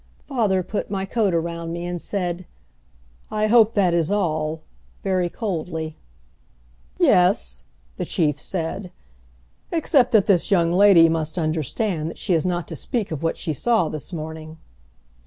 Father put my coat around me and said, "I hope that is all," very coldly. "Yes," the Chief said, "except that this young lady must understand that she is not to speak of what she saw this morning."